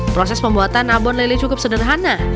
proses pembuatan abon lele cukup sederhana